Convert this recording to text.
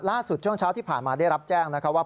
ล่าสุดช่วงเช้าที่ผ่านมาได้รับแจ้งว่า